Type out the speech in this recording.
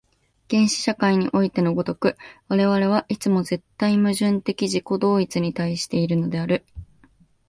原始社会においての如く、我々はいつも絶対矛盾的自己同一に対しているのである。